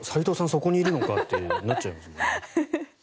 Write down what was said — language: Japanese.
ここにいるのかってなっちゃうかも。